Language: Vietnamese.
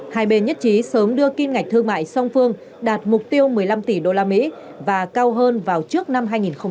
hai bên nhất trí sớm đưa kim ngạch thương mại song phương đạt mục tiêu một mươi năm tỷ usd và cao hơn vào trước năm hai nghìn hai mươi